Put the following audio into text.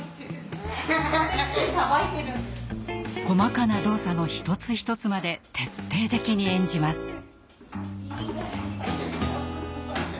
細かな動作の一つ一つまで徹底的に演じます。